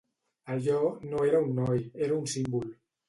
Allò no era un noi, era un símbol